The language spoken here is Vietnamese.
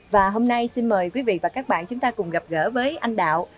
và hôm nay xin mời quý vị và các bạn chúng ta cùng gặp gỡ với anh đạo